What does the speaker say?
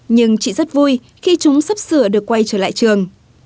nhưng chị rất vui khi chúng sắp sửa được quay trở lại trường